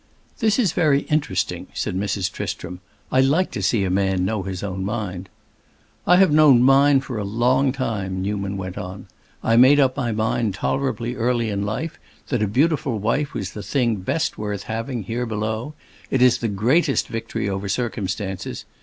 "This is very interesting," said Mrs. Tristram. "I like to see a man know his own mind." "I have known mine for a long time," Newman went on. "I made up my mind tolerably early in life that a beautiful wife was the thing best worth having, here below. It is the greatest victory over circumstances.